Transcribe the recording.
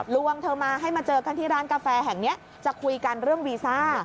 ลวงเธอมาให้มาเจอกันที่ร้านกาแฟแห่งนี้จะคุยกันเรื่องวีซ่า